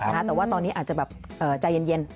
แต่ว่าตอนนี้อาจจะแบบใจเย็น